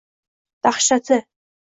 dahshati.